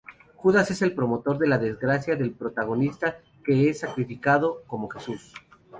Judas es el promotor de la desgracia del protagonista que es sacrificado como Jesús.